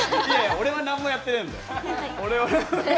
俺は何もやってないんだよ。